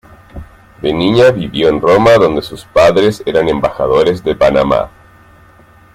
De niña vivió en Roma donde sus padres eran embajadores de Panamá.